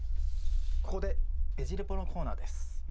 ここでベジ・レポのコーナーです。